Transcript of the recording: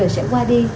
bây giờ sẽ qua đi